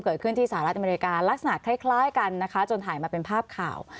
เกิดขึ้นที่สหรัฐอเมริกาลักษณะคล้ายกันนะคะจนถ่ายมาเป็นภาพข่าว